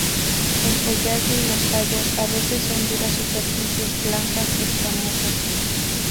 El follaje y los tallos a veces con duras superficies blancas escamosas.